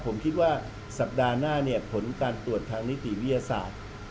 ผมคิดว่าสัปดาห์หน้าเนี่ยผลการตรวจทางนิติวิทยาศาสตร์